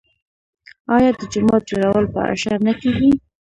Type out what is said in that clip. آیا د جومات جوړول په اشر نه کیږي؟